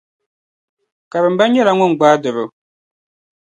Karimba nyɛla ŋun gbaai doro.